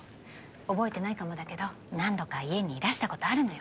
覚えてないかもだけど何度か家にいらした事あるのよ。